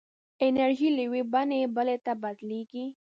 انرژي له یوې بڼې بلې ته بدلېږي.